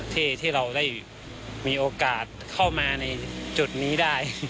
ที่เราได้มีโอกาสเข้ามาในจุดนี้ได้